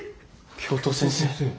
教頭先生。